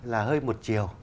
là hơi một chiều